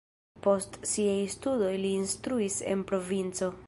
Post siaj studoj li instruis en provinco.